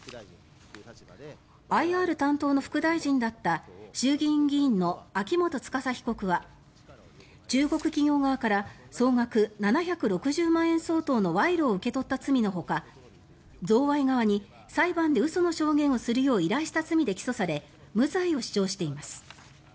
ＩＲ担当の副大臣だった衆議院議員の秋元司被告は中国企業側から総額７６０万円相当の賄賂を受け取った罪のほか贈賄側に裁判で嘘の証言をするよう依頼した罪で起訴され無罪を主張しています。